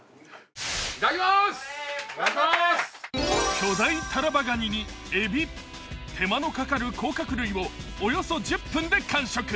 巨大タラバガニにエビ手間のかかる甲殻類をおよそ１０分で完食。